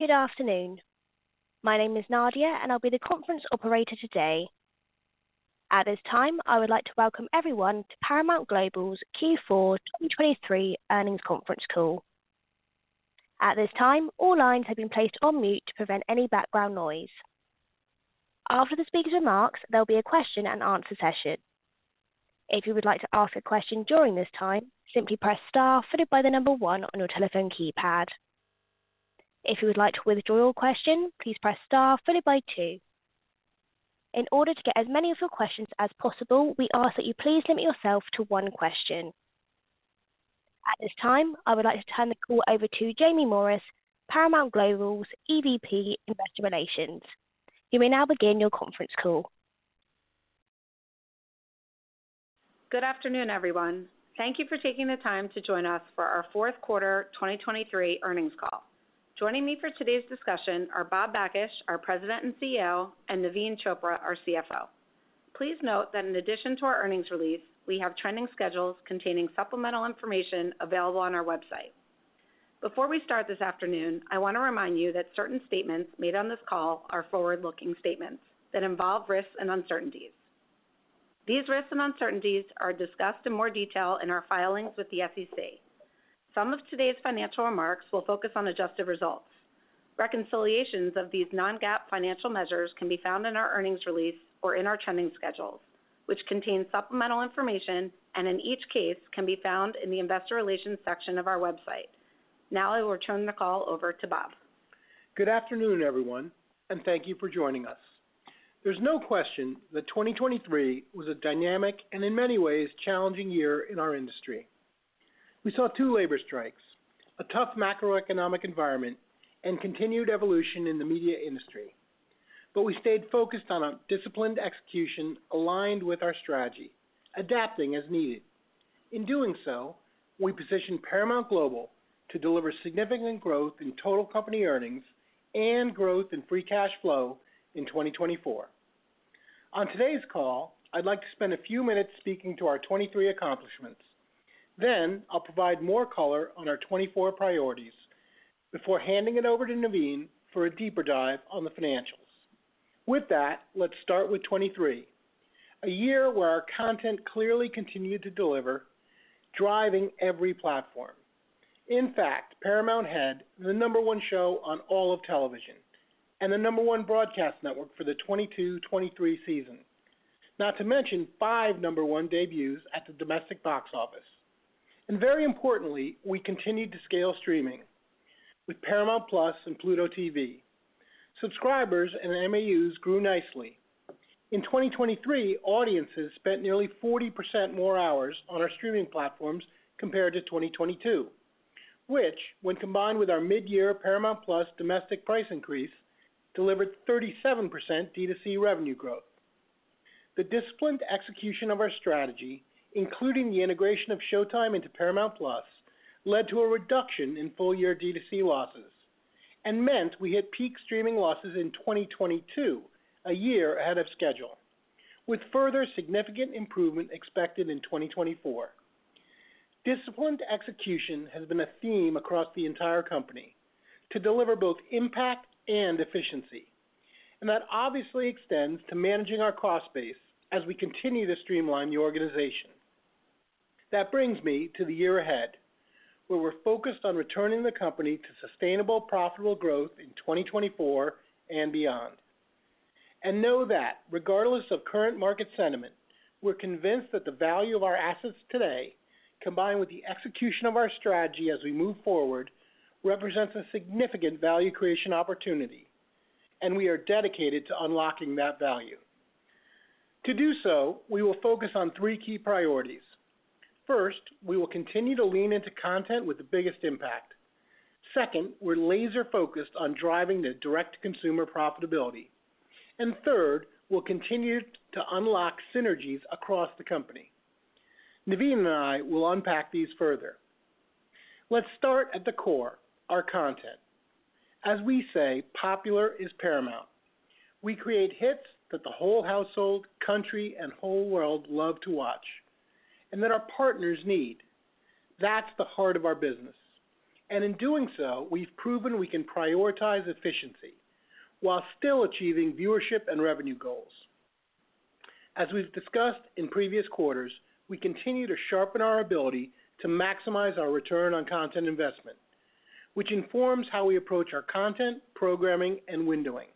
Good afternoon. My name is Nadia, and I'll be the conference operator today. At this time, I would like to welcome everyone to Paramount Global's Q4 2023 Earnings Conference Call. At this time, all lines have been placed on mute to prevent any background noise. After the speaker's remarks, there'll be a question-and-answer session. If you would like to ask a question during this time, simply press Star followed by the number one on your telephone keypad. If you would like to withdraw your question, please press Star followed by two. In order to get as many of your questions as possible, we ask that you please limit yourself to one question. At this time, I would like to turn the call over to Jaime Morris, Paramount Global's EVP, Investor Relations. You may now begin your conference call. Good afternoon, everyone. Thank you for taking the time to join us for our fourth quarter 2023 earnings call. Joining me for today's discussion are Bob Bakish, our President and CEO, and Naveen Chopra, our CFO. Please note that in addition to our earnings release, we have trending schedules containing supplemental information available on our website. Before we start this afternoon, I want to remind you that certain statements made on this call are forward-looking statements that involve risks and uncertainties. These risks and uncertainties are discussed in more detail in our filings with the SEC. Some of today's financial remarks will focus on adjusted results. Reconciliations of these non-GAAP financial measures can be found in our earnings release or in our trending schedules, which contain supplemental information and, in each case, can be found in the Investor Relations section of our website. Now I will turn the call over to Bob. Good afternoon, everyone, and thank you for joining us. There's no question that 2023 was a dynamic and in many ways, challenging year in our industry. We saw two labor strikes, a tough macroeconomic environment and continued evolution in the media industry. But we stayed focused on a disciplined execution, aligned with our strategy, adapting as needed. In doing so, we positioned Paramount Global to deliver significant growth in total company earnings and growth in free cash flow in 2024. On today's call, I'd like to spend a few minutes speaking to our 2023 accomplishments. Then I'll provide more color on our 2024 priorities before handing it over to Naveen for a deeper dive on the financials. With that, let's start with 2023, a year where our content clearly continued to deliver, driving every platform. In fact, Paramount had the number one show on all of television and the number one broadcast network for the 2022-2023 season. Not to mention five number one debuts at the domestic box office. And very importantly, we continued to scale streaming with Paramount+ and Pluto TV. Subscribers and MAUs grew nicely. In 2023, audiences spent nearly 40% more hours on our streaming platforms compared to 2022, which, when combined with our mid-year Paramount+ domestic price increase, delivered 37% D2C revenue growth. The disciplined execution of our strategy, including the integration of Showtime into Paramount+, led to a reduction in full-year D2C losses and meant we hit peak streaming losses in 2022, a year ahead of schedule, with further significant improvement expected in 2024. Disciplined execution has been a theme across the entire company to deliver both impact and efficiency, and that obviously extends to managing our cost base as we continue to streamline the organization. That brings me to the year ahead, where we're focused on returning the company to sustainable, profitable growth in 2024 and beyond. And know that regardless of current market sentiment, we're convinced that the value of our assets today, combined with the execution of our strategy as we move forward, represents a significant value creation opportunity, and we are dedicated to unlocking that value. To do so, we will focus on three key priorities. First, we will continue to lean into content with the biggest impact. Second, we're laser-focused on driving the direct-to-consumer profitability. And third, we'll continue to unlock synergies across the company. Naveen and I will unpack these further. Let's start at the core, our content. As we say, popular is paramount. We create hits that the whole household, country, and whole world love to watch and that our partners need. That's the heart of our business, and in doing so, we've proven we can prioritize efficiency while still achieving viewership and revenue goals. As we've discussed in previous quarters, we continue to sharpen our ability to maximize our return on content investment, which informs how we approach our content, programming, and windowing.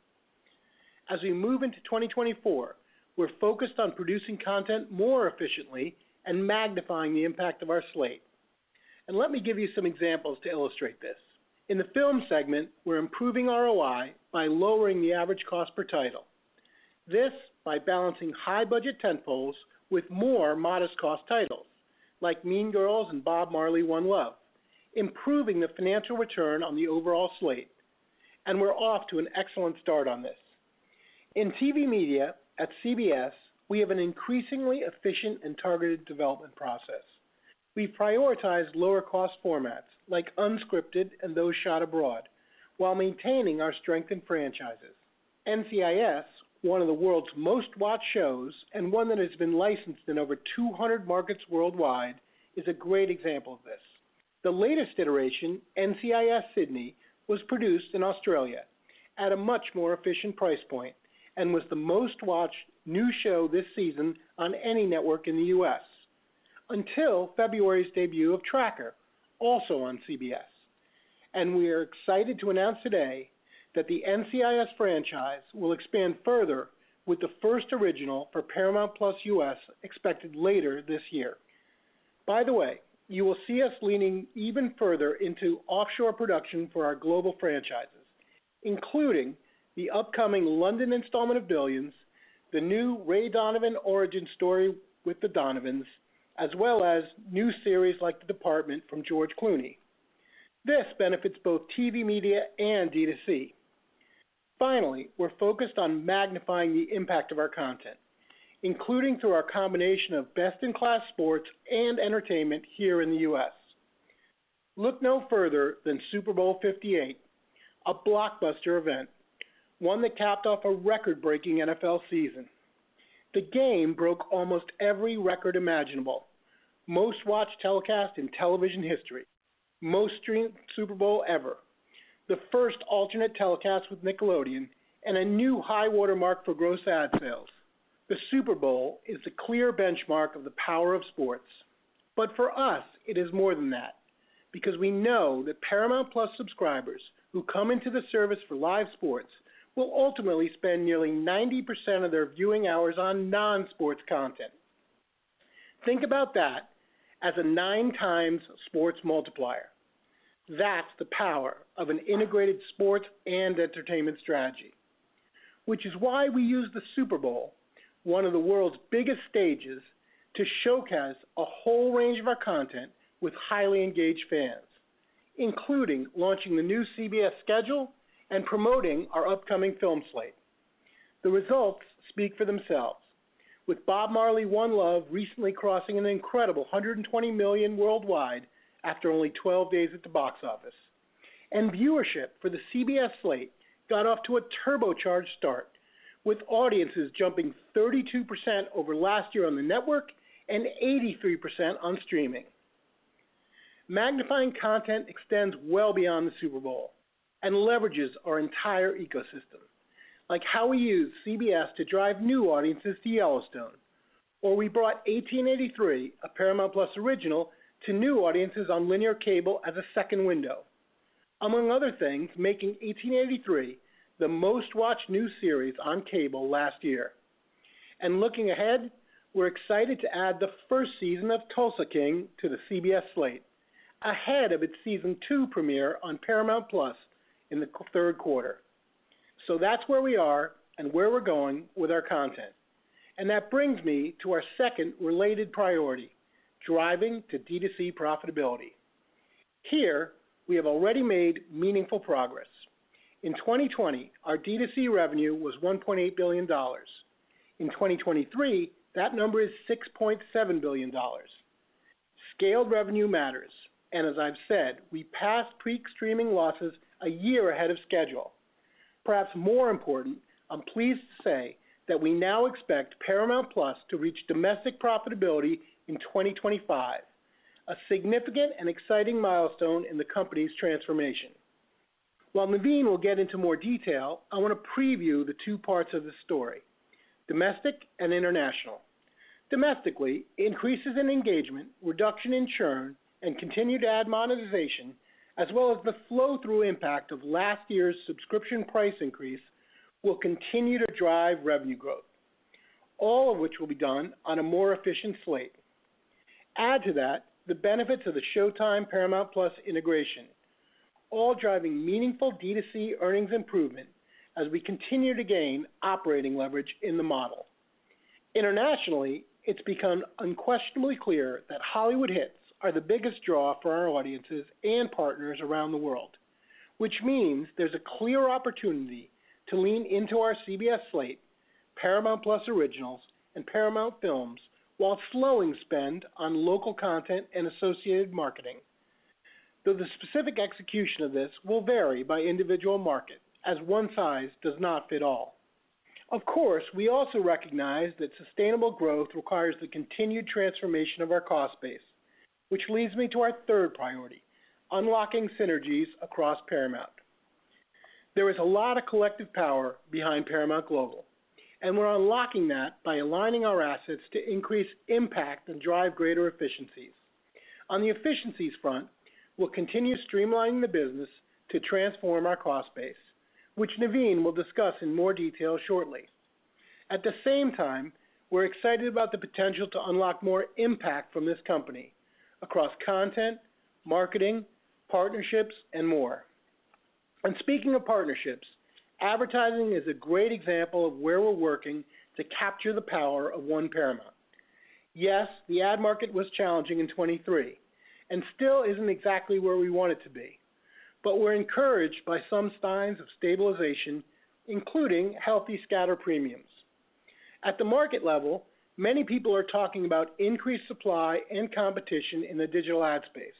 As we move into 2024, we're focused on producing content more efficiently and magnifying the impact of our slate. And let me give you some examples to illustrate this. In the film segment, we're improving ROI by lowering the average cost per title. This, by balancing high-budget tentpoles with more modest cost titles like Mean Girls and Bob Marley: One Love, improving the financial return on the overall slate, and we're off to an excellent start on this. In TV media at CBS, we have an increasingly efficient and targeted development process. We prioritize lower-cost formats like unscripted and those shot abroad, while maintaining our strength in franchises.... NCIS, one of the world's most watched shows, and one that has been licensed in over 200 markets worldwide, is a great example of this. The latest iteration, NCIS: Sydney, was produced in Australia at a much more efficient price point and was the most-watched new show this season on any network in the U.S., until February's debut of Tracker, also on CBS. We are excited to announce today that the NCIS franchise will expand further with the first original for Paramount+ US, expected later this year. By the way, you will see us leaning even further into offshore production for our global franchises, including the upcoming London installment of Billions, the new Ray Donovan origin story with The Donovans, as well as new series like The Department from George Clooney. This benefits both TV media and D2C. Finally, we're focused on magnifying the impact of our content, including through our combination of best-in-class sports and entertainment here in the US. Look no further than Super Bowl LVIII, a blockbuster event, one that capped off a record-breaking NFL season. The game broke almost every record imaginable: most-watched telecast in television history, most streamed Super Bowl ever, the first alternate telecast with Nickelodeon, and a new high watermark for gross ad sales. The Super Bowl is a clear benchmark of the power of sports, but for us, it is more than that, because we know that Paramount+ subscribers who come into the service for live sports will ultimately spend nearly 90% of their viewing hours on non-sports content. Think about that as a 9x sports multiplier. That's the power of an integrated sports and entertainment strategy. Which is why we use the Super Bowl, one of the world's biggest stages, to showcase a whole range of our content with highly engaged fans, including launching the new CBS schedule and promoting our upcoming film slate. The results speak for themselves. With Bob Marley: One Love recently crossing an incredible $120 million worldwide after only 12 days at the box office, and viewership for the CBS slate got off to a turbocharged start, with audiences jumping 32% over last year on the network and 83% on streaming. Magnifying content extends well beyond the Super Bowl and leverages our entire ecosystem, like how we use CBS to drive new audiences to Yellowstone, or we brought 1883, a Paramount+ original, to new audiences on linear cable as a second window, among other things, making 1883 the most-watched new series on cable last year. Looking ahead, we're excited to add the first season of Tulsa King to the CBS slate ahead of its Season 2 premiere on Paramount+ in the third quarter. That's where we are and where we're going with our content. That brings me to our second related priority, driving to D2C profitability. Here, we have already made meaningful progress. In 2020, our D2C revenue was $1.8 billion. In 2023, that number is $6.7 billion. Scaled revenue matters, and as I've said, we passed pre-streaming losses a year ahead of schedule. Perhaps more important, I'm pleased to say that we now expect Paramount+ to reach domestic profitability in 2025, a significant and exciting milestone in the company's transformation. While Naveen will get into more detail, I want to preview the two parts of the story, domestic and international. Domestically, increases in engagement, reduction in churn, and continued ad monetization, as well as the flow-through impact of last year's subscription price increase, will continue to drive revenue growth, all of which will be done on a more efficient slate. Add to that the benefits of the Showtime Paramount+ integration, all driving meaningful D2C earnings improvement as we continue to gain operating leverage in the model. Internationally, it's become unquestionably clear that Hollywood hits are the biggest draw for our audiences and partners around the world, which means there's a clear opportunity to lean into our CBS slate, Paramount+ originals, and Paramount films, while slowing spend on local content and associated marketing, though the specific execution of this will vary by individual market, as one size does not fit all. Of course, we also recognize that sustainable growth requires the continued transformation of our cost base, which leads me to our third priority, unlocking synergies across Paramount. There is a lot of collective power behind Paramount Global, and we're unlocking that by aligning our assets to increase impact and drive greater efficiencies. On the efficiencies front, we'll continue streamlining the business to transform our cost base, which Naveen will discuss in more detail shortly. At the same time, we're excited about the potential to unlock more impact from this company across content, marketing, partnerships, and more. And speaking of partnerships, advertising is a great example of where we're working to capture the power of One Paramount. Yes, the ad market was challenging in 2023 and still isn't exactly where we want it to be, but we're encouraged by some signs of stabilization, including healthy scatter premiums. At the market level, many people are talking about increased supply and competition in the digital ad space,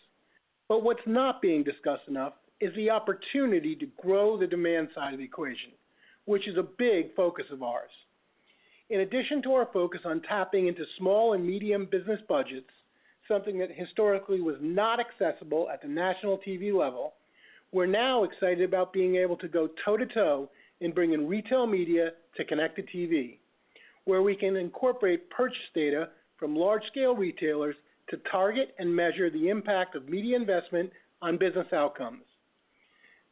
but what's not being discussed enough is the opportunity to grow the demand side of the equation, which is a big focus of ours. In addition to our focus on tapping into small and medium business budgets, something that historically was not accessible at the national TV level, we're now excited about being able to go toe-to-toe in bringing retail media to connected TV, where we can incorporate purchase data from large-scale retailers to target and measure the impact of media investment on business outcomes.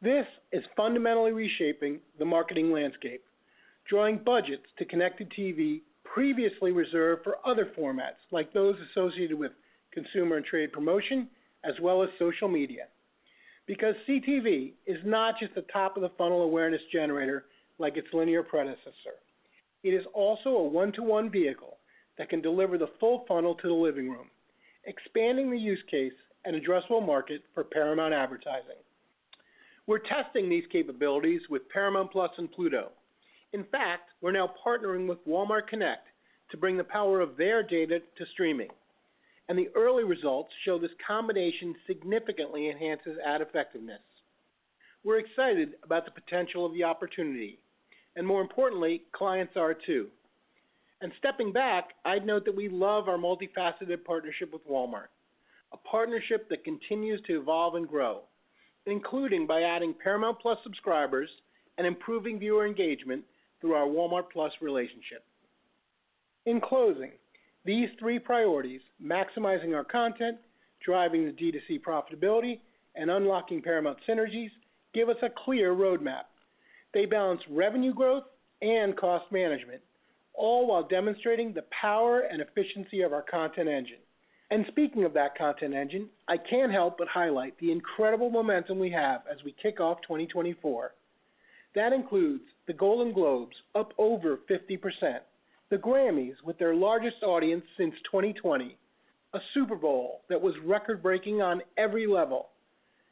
This is fundamentally reshaping the marketing landscape, drawing budgets to connected TV previously reserved for other formats, like those associated with consumer and trade promotion, as well as social media. Because CTV is not just a top-of-the-funnel awareness generator like its linear predecessor, it is also a one-to-one vehicle that can deliver the full funnel to the living room, expanding the use case and addressable market for Paramount Advertising. We're testing these capabilities with Paramount+ and Pluto. In fact, we're now partnering with Walmart Connect to bring the power of their data to streaming, and the early results show this combination significantly enhances ad effectiveness. We're excited about the potential of the opportunity, and more importantly, clients are, too. And stepping back, I'd note that we love our multifaceted partnership with Walmart, a partnership that continues to evolve and grow, including by adding Paramount+ subscribers and improving viewer engagement through our Walmart+ relationship. In closing, these three priorities: maximizing our content, driving the D2C profitability, and unlocking Paramount synergies, give us a clear roadmap. They balance revenue growth and cost management, all while demonstrating the power and efficiency of our content engine. And speaking of that content engine, I can't help but highlight the incredible momentum we have as we kick off 2024. That includes the Golden Globes, up over 50%, the Grammys, with their largest audience since 2020, a Super Bowl that was record-breaking on every level,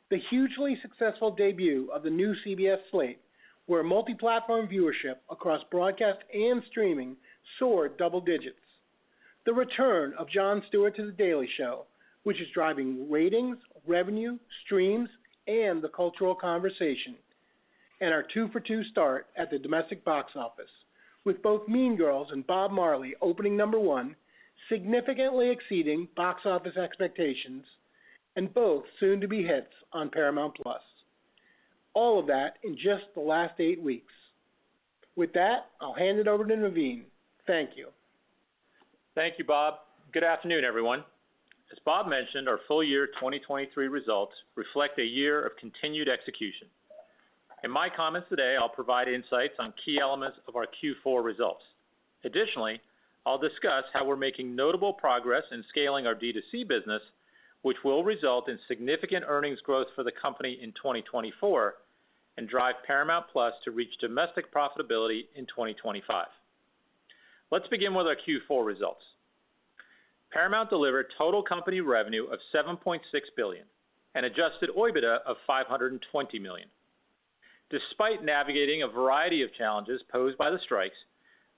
the hugely successful debut of the new CBS slate, where multi-platform viewership across broadcast and streaming soared double digits, the return of Jon Stewart to The Daily Show, which is driving ratings, revenue, streams, and the cultural conversation, and our 2-for-2 start at the domestic box office, with both Mean Girls and Bob Marley opening No. 1, significantly exceeding box office expectations, and both soon to be hits on Paramount+. All of that in just the last eight weeks. With that, I'll hand it over to Naveen. Thank you. Thank you, Bob. Good afternoon, everyone. As Bob mentioned, our full year 2023 results reflect a year of continued execution. In my comments today, I'll provide insights on key elements of our Q4 results. Additionally, I'll discuss how we're making notable progress in scaling our D2C business, which will result in significant earnings growth for the company in 2024 and drive Paramount+ to reach domestic profitability in 2025. Let's begin with our Q4 results. Paramount delivered total company revenue of $7.6 billion and adjusted OIBDA of $520 million. Despite navigating a variety of challenges posed by the strikes,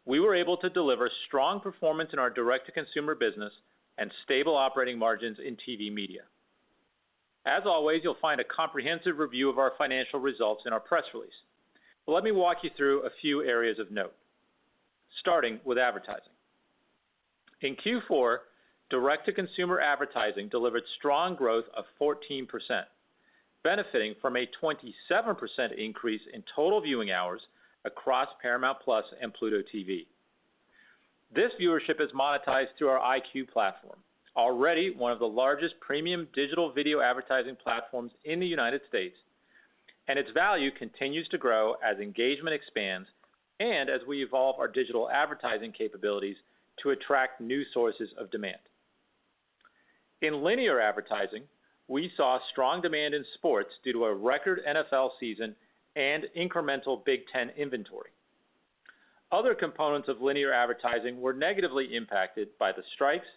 we were able to deliver strong performance in our direct-to-consumer business and stable operating margins in TV media. As always, you'll find a comprehensive review of our financial results in our press release. But let me walk you through a few areas of note, starting with advertising. In Q4, direct-to-consumer advertising delivered strong growth of 14%, benefiting from a 27% increase in total viewing hours across Paramount+ and Pluto TV. This viewership is monetized through our EyeQ platform, already one of the largest premium digital video advertising platforms in the United States, and its value continues to grow as engagement expands and as we evolve our digital advertising capabilities to attract new sources of demand. In linear advertising, we saw strong demand in sports due to a record NFL season and incremental Big Ten inventory. Other components of linear advertising were negatively impacted by the strikes,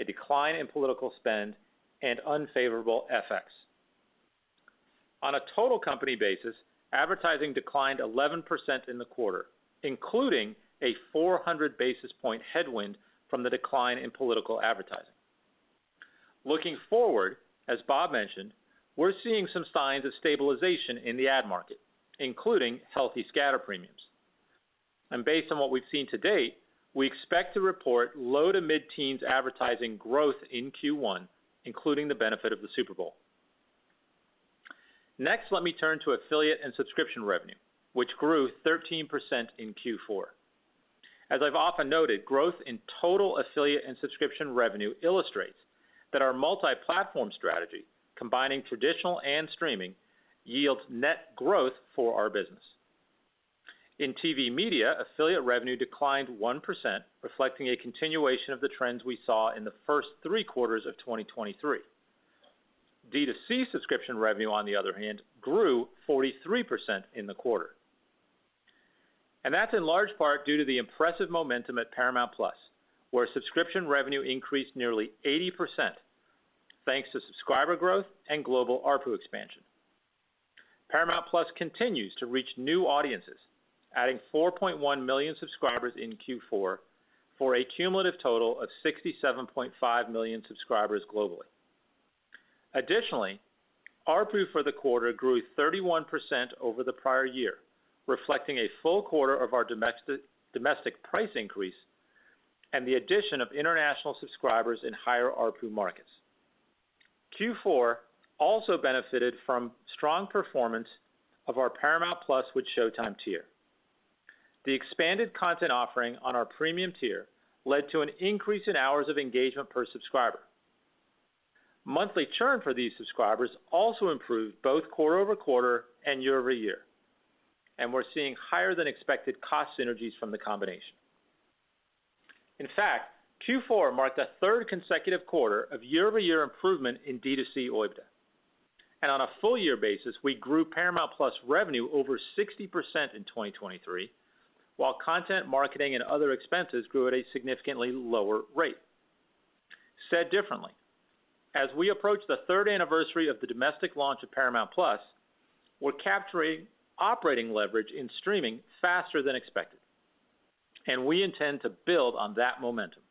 a decline in political spend, and unfavorable FX. On a total company basis, advertising declined 11% in the quarter, including a 400 basis point headwind from the decline in political advertising. Looking forward, as Bob mentioned, we're seeing some signs of stabilization in the ad market, including healthy scatter premiums. Based on what we've seen to date, we expect to report low-to-mid teens advertising growth in Q1, including the benefit of the Super Bowl. Next, let me turn to affiliate and subscription revenue, which grew 13% in Q4. As I've often noted, growth in total affiliate and subscription revenue illustrates that our multi-platform strategy, combining traditional and streaming, yields net growth for our business. In TV media, affiliate revenue declined 1%, reflecting a continuation of the trends we saw in the first three quarters of 2023. D2C subscription revenue, on the other hand, grew 43% in the quarter. That's in large part due to the impressive momentum at Paramount+, where subscription revenue increased nearly 80%, thanks to subscriber growth and global ARPU expansion. Paramount+ continues to reach new audiences, adding 4.1 million subscribers in Q4, for a cumulative total of 67.5 million subscribers globally. Additionally, ARPU for the quarter grew 31% over the prior year, reflecting a full quarter of our domestic price increase and the addition of international subscribers in higher ARPU markets. Q4 also benefited from strong performance of our Paramount+ with Showtime tier. The expanded content offering on our premium tier led to an increase in hours of engagement per subscriber. Monthly churn for these subscribers also improved both quarter-over-quarter and year-over-year, and we're seeing higher than expected cost synergies from the combination. In fact, Q4 marked the third consecutive quarter of year-over-year improvement in D2C OIBDA. On a full year basis, we grew Paramount Plus revenue over 60% in 2023, while content, marketing, and other expenses grew at a significantly lower rate. Said differently, as we approach the third anniversary of the domestic launch of Paramount Plus, we're capturing operating leverage in streaming faster than expected, and we intend to build on that momentum.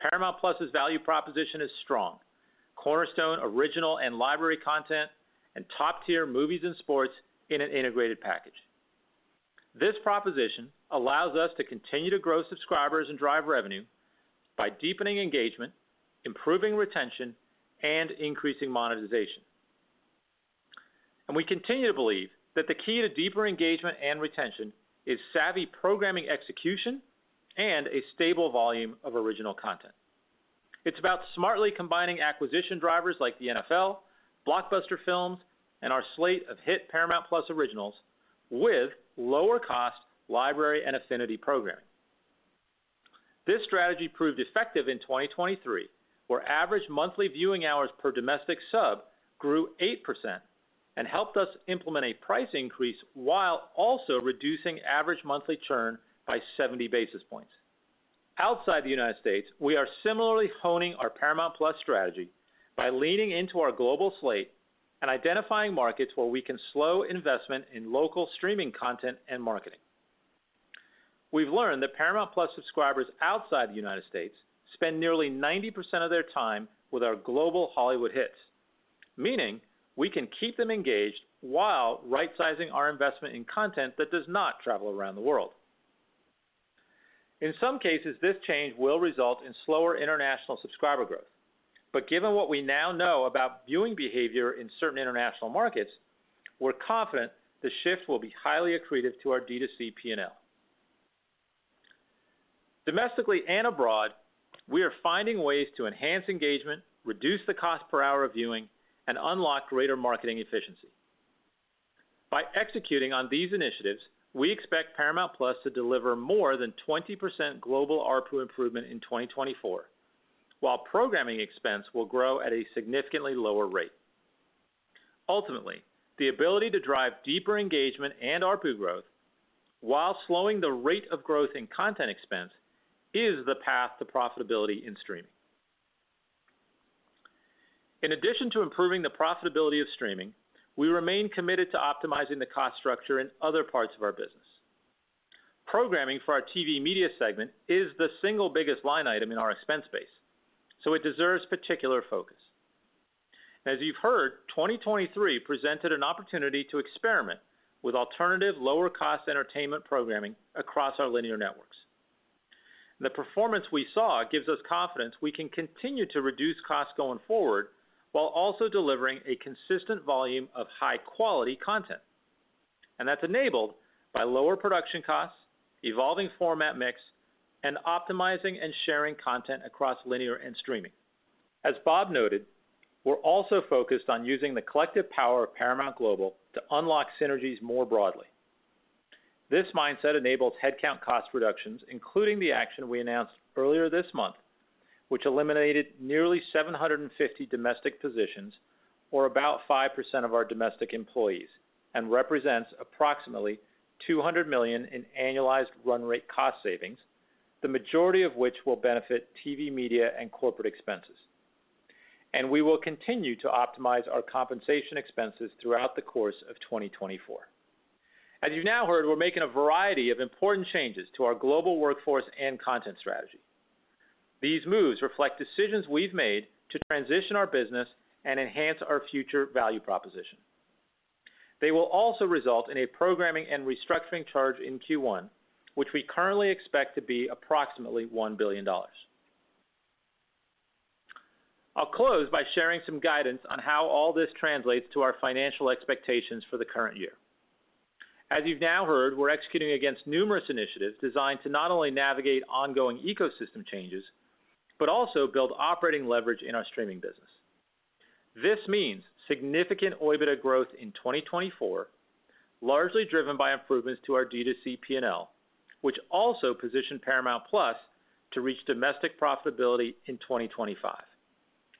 Paramount Plus's value proposition is strong, cornerstone, original, and library content, and top-tier movies and sports in an integrated package. This proposition allows us to continue to grow subscribers and drive revenue by deepening engagement, improving retention, and increasing monetization. We continue to believe that the key to deeper engagement and retention is savvy programming execution and a stable volume of original content. It's about smartly combining acquisition drivers like the NFL, blockbuster films, and our slate of hit Paramount+ originals with lower cost library and affinity programming. This strategy proved effective in 2023, where average monthly viewing hours per domestic sub grew 8% and helped us implement a price increase while also reducing average monthly churn by 70 basis points. Outside the United States, we are similarly honing our Paramount+ strategy by leaning into our global slate and identifying markets where we can slow investment in local streaming content and marketing. We've learned that Paramount+ subscribers outside the United States spend nearly 90% of their time with our global Hollywood hits, meaning we can keep them engaged while right-sizing our investment in content that does not travel around the world. In some cases, this change will result in slower international subscriber growth. But given what we now know about viewing behavior in certain international markets, we're confident the shift will be highly accretive to our D2C P&L. Domestically and abroad, we are finding ways to enhance engagement, reduce the cost per hour of viewing, and unlock greater marketing efficiency. By executing on these initiatives, we expect Paramount Plus to deliver more than 20% global ARPU improvement in 2024, while programming expense will grow at a significantly lower rate. Ultimately, the ability to drive deeper engagement and ARPU growth while slowing the rate of growth in content expense, is the path to profitability in streaming. In addition to improving the profitability of streaming, we remain committed to optimizing the cost structure in other parts of our business. Programming for our TV media segment is the single biggest line item in our expense base, so it deserves particular focus. As you've heard, 2023 presented an opportunity to experiment with alternative, lower-cost entertainment programming across our linear networks. The performance we saw gives us confidence we can continue to reduce costs going forward, while also delivering a consistent volume of high-quality content. That's enabled by lower production costs, evolving format mix, and optimizing and sharing content across linear and streaming. As Bob noted, we're also focused on using the collective power of Paramount Global to unlock synergies more broadly. This mindset enables headcount cost reductions, including the action we announced earlier this month, which eliminated nearly 750 domestic positions, or about 5% of our domestic employees, and represents approximately $200 million in annualized run rate cost savings, the majority of which will benefit TV, media, and corporate expenses. We will continue to optimize our compensation expenses throughout the course of 2024. As you've now heard, we're making a variety of important changes to our global workforce and content strategy. These moves reflect decisions we've made to transition our business and enhance our future value proposition. They will also result in a programming and restructuring charge in Q1, which we currently expect to be approximately $1 billion. I'll close by sharing some guidance on how all this translates to our financial expectations for the current year. As you've now heard, we're executing against numerous initiatives designed to not only navigate ongoing ecosystem changes, but also build operating leverage in our streaming business. This means significant OIBDA growth in 2024, largely driven by improvements to our D2C P&L, which also positioned Paramount Plus to reach domestic profitability in 2025,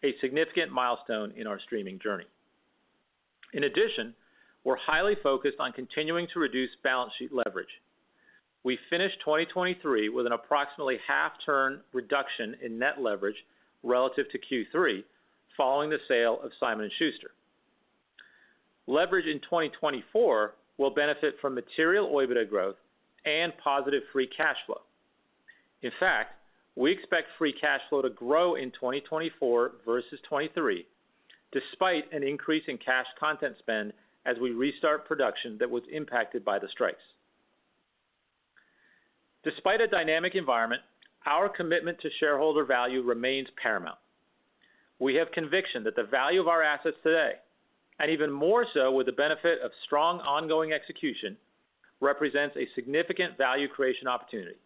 a significant milestone in our streaming journey. In addition, we're highly focused on continuing to reduce balance sheet leverage.... We finished 2023 with an approximately 0.5-turn reduction in net leverage relative to Q3, following the sale of Simon & Schuster. Leverage in 2024 will benefit from material OIBDA growth and positive free cash flow. In fact, we expect free cash flow to grow in 2024 versus 2023, despite an increase in cash content spend as we restart production that was impacted by the strikes. Despite a dynamic environment, our commitment to shareholder value remains paramount. We have conviction that the value of our assets today, and even more so with the benefit of strong ongoing execution, represents a significant value creation opportunity.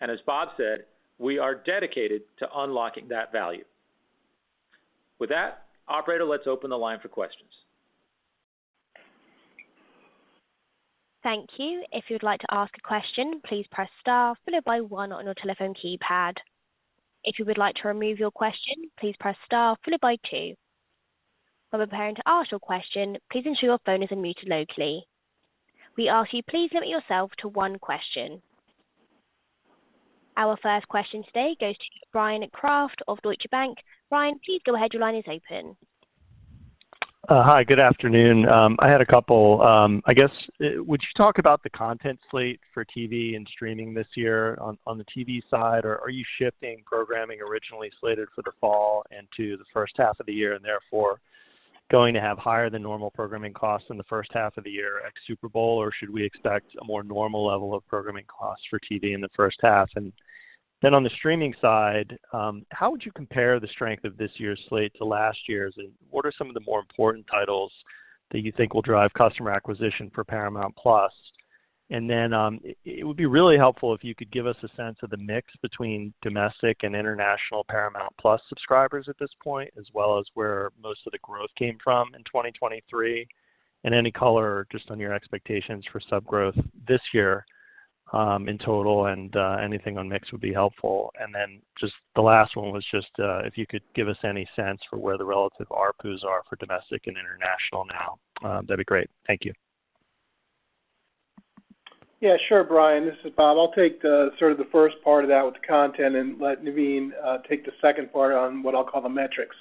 And as Bob said, we are dedicated to unlocking that value. With that, operator, let's open the line for questions. Thank you. If you'd like to ask a question, please press star followed by one on your telephone keypad. If you would like to remove your question, please press star followed by two. While preparing to ask your question, please ensure your phone isn't muted locally. We ask you, please limit yourself to one question. Our first question today goes to Bryan Kraft of Deutsche Bank. Brian, please go ahead. Your line is open. Hi, good afternoon. I had a couple, I guess, would you talk about the content slate for TV and streaming this year on, on the TV side? Or are you shifting programming originally slated for the fall and to the first half of the year, and therefore going to have higher than normal programming costs in the first half of the year at Super Bowl? Or should we expect a more normal level of programming costs for TV in the first half? And then on the streaming side, how would you compare the strength of this year's slate to last year's? And what are some of the more important titles that you think will drive customer acquisition for Paramount+? And then, it would be really helpful if you could give us a sense of the mix between domestic and international Paramount+ subscribers at this point, as well as where most of the growth came from in 2023, and any color just on your expectations for sub growth this year, in total, and, anything on mix would be helpful. And then just the last one was just, if you could give us any sense for where the relative ARPUs are for domestic and international now, that'd be great. Thank you. Yeah, sure, Brian. This is Bob. I'll take the, sort of the first part of that with the content and let Naveen take the second part on what I'll call the metrics.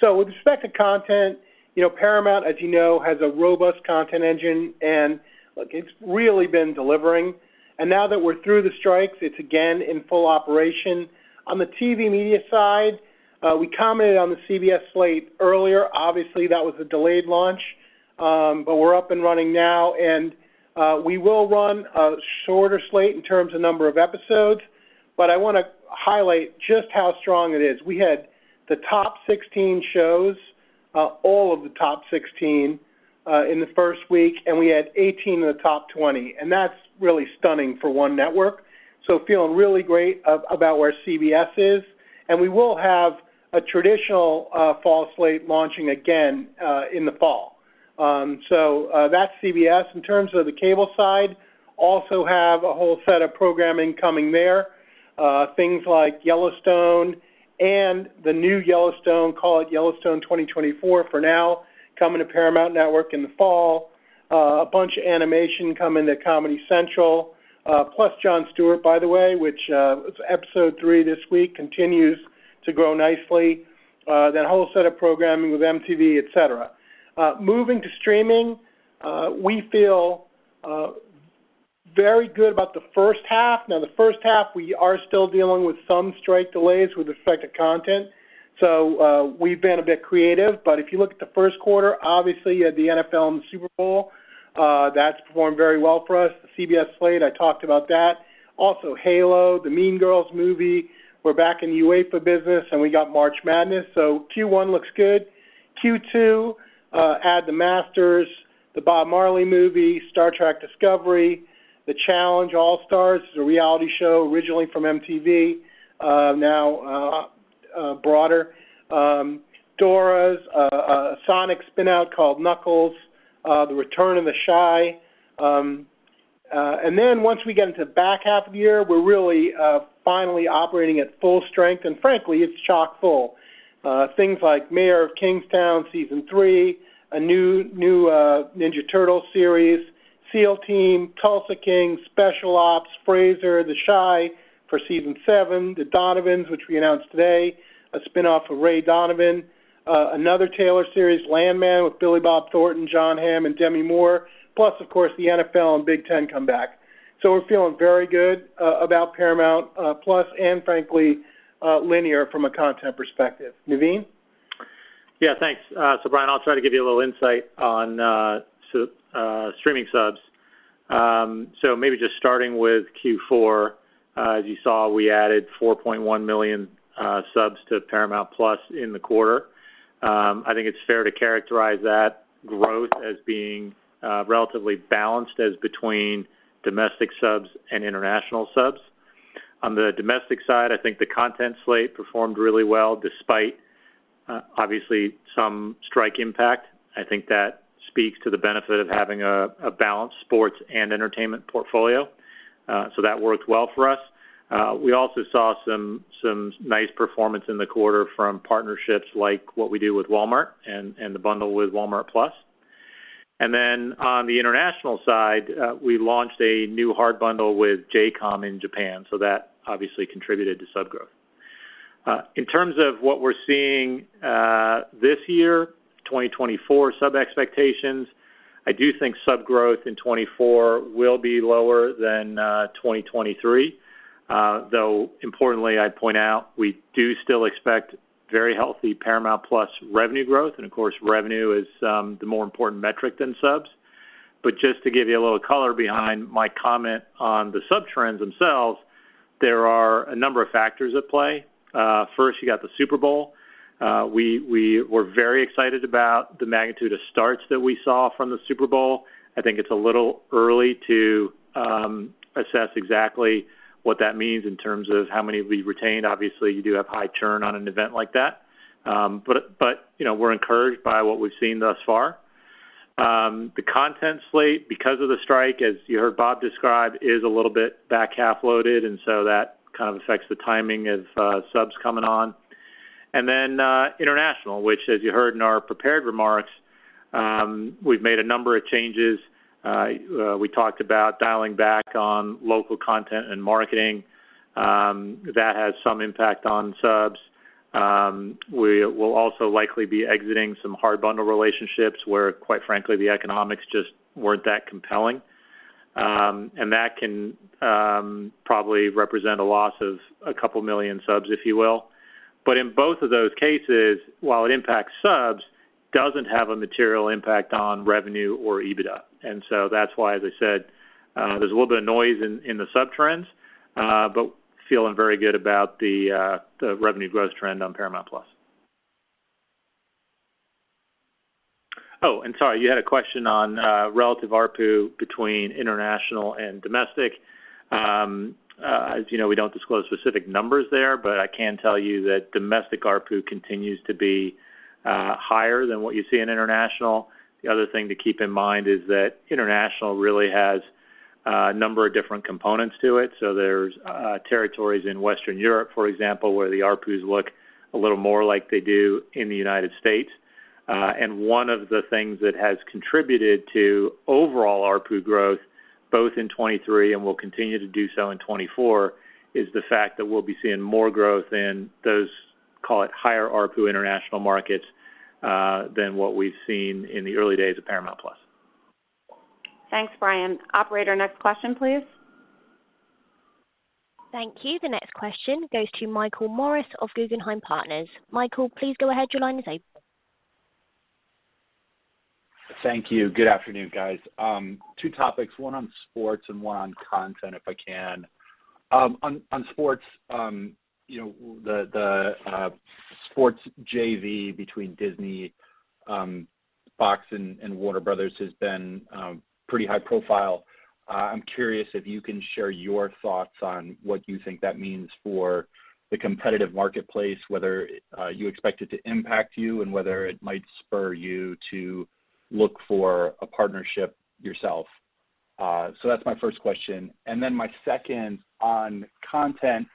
So with respect to content, you know, Paramount, as you know, has a robust content engine, and look, it's really been delivering. And now that we're through the strikes, it's again in full operation. On the TV media side, we commented on the CBS slate earlier. Obviously, that was a delayed launch, but we're up and running now, and we will run a shorter slate in terms of number of episodes, but I wanna highlight just how strong it is. We had the top 16 shows, all of the top 16, in the first week, and we had 18 in the top 20, and that's really stunning for one network. Feeling really great about where CBS is, and we will have a traditional fall slate launching again in the fall. That's CBS. In terms of the cable side, also have a whole set of programming coming there. Things like Yellowstone and the new Yellowstone, call it Yellowstone 2024 for now, coming to Paramount Network in the fall. A bunch of animation coming to Comedy Central, plus Jon Stewart, by the way, which it's episode 3 this week, continues to grow nicely. That whole set of programming with MTV, et cetera. Moving to streaming, we feel very good about the first half. Now, the first half, we are still dealing with some strike delays with respect to content, so we've been a bit creative. But if you look at the first quarter, obviously, you had the NFL and the Super Bowl. That's performed very well for us. The CBS slate, I talked about that. Also, Halo, the Mean Girls movie. We're back in UEFA business, and we got March Madness, so Q1 looks good. Q2, add the Masters, the Bob Marley movie, Star Trek: Discovery, The Challenge: All Stars, a reality show originally from MTV, now, broader. Dora, a Sonic spin-out called Knuckles, the return of The Chi. And then once we get into the back half of the year, we're really, finally operating at full strength, and frankly, it's chock-full. Things like Mayor of Kingstown, Season 3, a new Ninja Turtle series, Seal Team, Tulsa King, Special Ops, Frasier, The Chi for Season 7, The Donovans, which we announced today, a spinoff of Ray Donovan, another Taylor series, Landman, with Billy Bob Thornton, Jon Hamm, and Demi Moore, plus, of course, the NFL and Big Ten comeback. So we're feeling very good about Paramount+ and frankly linear from a content perspective. Naveen? Yeah, thanks. So Brian, I'll try to give you a little insight on streaming subs. So maybe just starting with Q4, as you saw, we added 4.1 million subs to Paramount+ in the quarter. I think it's fair to characterize that growth as being relatively balanced as between domestic subs and international subs. On the domestic side, I think the content slate performed really well, despite obviously some strike impact. I think that speaks to the benefit of having a balanced sports and entertainment portfolio. So that worked well for us.... We also saw some nice performance in the quarter from partnerships like what we do with Walmart and the bundle with Walmart+. And then on the international side, we launched a new hard bundle with J:COM in Japan, so that obviously contributed to sub growth. In terms of what we're seeing, this year, 2024 sub expectations, I do think sub growth in 2024 will be lower than 2023. Though, importantly, I'd point out, we do still expect very healthy Paramount+ revenue growth. And of course, revenue is the more important metric than subs. But just to give you a little color behind my comment on the sub trends themselves, there are a number of factors at play. First, you got the Super Bowl. We were very excited about the magnitude of starts that we saw from the Super Bowl. I think it's a little early to assess exactly what that means in terms of how many we retained. Obviously, you do have high churn on an event like that. But, you know, we're encouraged by what we've seen thus far. The content slate, because of the strike, as you heard Bob describe, is a little bit back half-loaded, and so that kind of affects the timing of subs coming on. And then, international, which, as you heard in our prepared remarks, we've made a number of changes. We talked about dialing back on local content and marketing. That has some impact on subs. We will also likely be exiting some hard bundle relationships where, quite frankly, the economics just weren't that compelling. And that can probably represent a loss of a couple million subs, if you will. But in both of those cases, while it impacts subs, doesn't have a material impact on revenue or EBITDA. And so that's why, as I said, there's a little bit of noise in the sub trends, but feeling very good about the revenue growth trend on Paramount+. Oh, and sorry, you had a question on relative ARPU between international and domestic. As you know, we don't disclose specific numbers there, but I can tell you that domestic ARPU continues to be higher than what you see in international. The other thing to keep in mind is that international really has a number of different components to it. So there's territories in Western Europe, for example, where the ARPUs look a little more like they do in the United States. And one of the things that has contributed to overall ARPU growth, both in 2023 and will continue to do so in 2024, is the fact that we'll be seeing more growth in those, call it, higher ARPU international markets, than what we've seen in the early days of Paramount Plus. Thanks, Brian. Operator, next question, please. Thank you. The next question goes to Michael Morris of Guggenheim Partners. Michael, please go ahead. Your line is open. Thank you. Good afternoon, guys. Two topics, one on sports and one on content, if I can. On sports, you know, the sports JV between Disney, Fox and Warner Bros. has been pretty high profile. I'm curious if you can share your thoughts on what you think that means for the competitive marketplace, whether you expect it to impact you and whether it might spur you to look for a partnership yourself. So that's my first question. Then my second on content,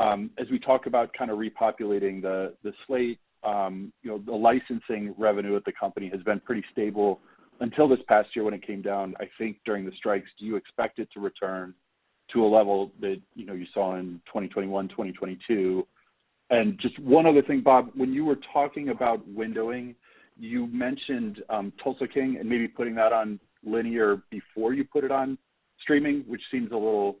as we talk about kind of repopulating the slate, you know, the licensing revenue at the company has been pretty stable until this past year when it came down, I think, during the strikes. Do you expect it to return to a level that, you know, you saw in 2021, 2022? And just one other thing, Bob, when you were talking about windowing, you mentioned Tulsa King and maybe putting that on linear before you put it on streaming, which seems a little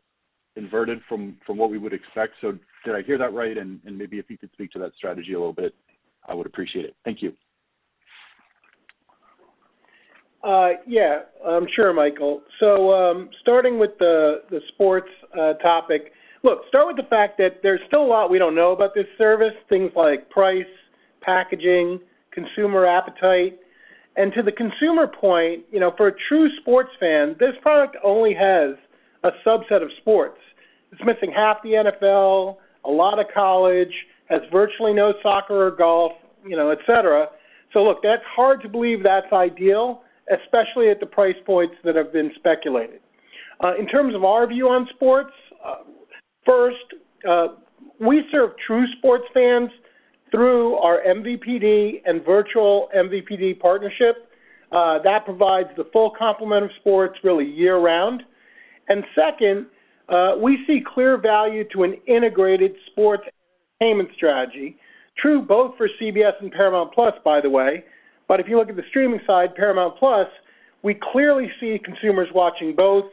inverted from what we would expect. So did I hear that right? And maybe if you could speak to that strategy a little bit, I would appreciate it. Thank you. Yeah, sure, Michael. So, starting with the sports topic. Look, start with the fact that there's still a lot we don't know about this service, things like price, packaging, consumer appetite. And to the consumer point, you know, for a true sports fan, this product only has a subset of sports. It's missing half the NFL, a lot of college, has virtually no soccer or golf, you know, et cetera. So look, that's hard to believe that's ideal, especially at the price points that have been speculated. In terms of our view on sports, first, we serve true sports fans through our MVPD and virtual MVPD partnership. That provides the full complement of sports really year-round. And second, we see clear value to an integrated sports payment strategy. True both for CBS and Paramount+, by the way, but if you look at the streaming side, Paramount+, we clearly see consumers watching both.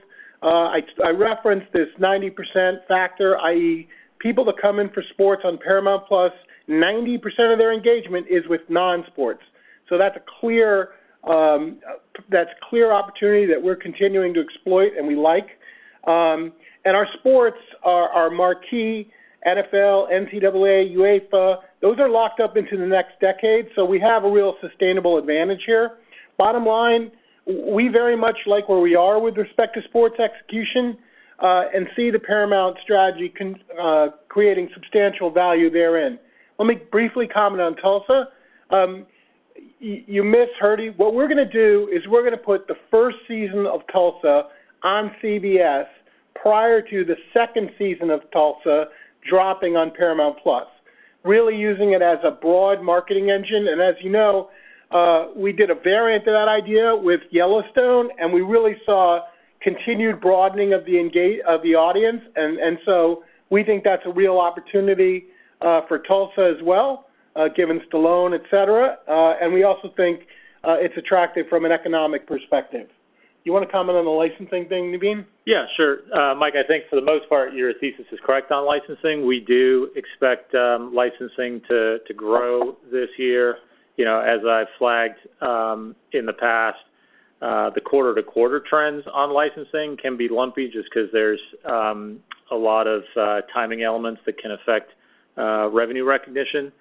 I referenced this 90% factor, i.e., people that come in for sports on Paramount+, 90% of their engagement is with non-sports. So that's a clear opportunity that we're continuing to exploit and we like. And our sports are marquee, NFL, NCAA, UEFA, those are locked up into the next decade, so we have a real sustainable advantage here. Bottom line, we very much like where we are with respect to sports execution, and see the Paramount strategy creating substantial value therein. Let me briefly comment on Tulsa.... You missed, [Herdy]. What we're gonna do is we're gonna put the first season of Tulsa on CBS prior to the second season of Tulsa dropping on Paramount+, really using it as a broad marketing engine. And as you know, we did a variant of that idea with Yellowstone, and we really saw continued broadening of the engagement of the audience. And so we think that's a real opportunity for Tulsa as well, given Stallone, et cetera. And we also think it's attractive from an economic perspective. You wanna comment on the licensing thing, Naveen? Yeah, sure. Mike, I think for the most part, your thesis is correct on licensing. We do expect licensing to grow this year. You know, as I've flagged in the past, the quarter-to-quarter trends on licensing can be lumpy just because there's a lot of timing elements that can affect revenue recognition.